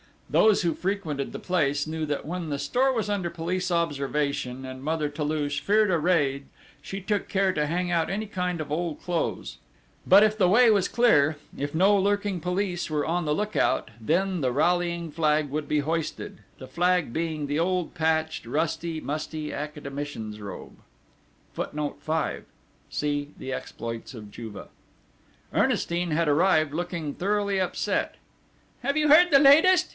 Those who frequented the place knew that when the store was under police observation and Mother Toulouche feared a raid she took care to hang out any kind of old clothes; but if the way was clear, if no lurking police were on the lookout, then the rallying flag would be hoisted, the flag being the old, patched, rusty, musty Academician's robe. [Footnote 5: See The Exploits of Juve.] Ernestine had arrived looking thoroughly upset: "Have you heard the latest?"